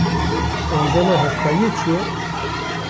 Encama hevkariyê çi ye?